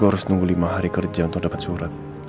gue harus nunggu lima hari kerja untuk dapat suratnya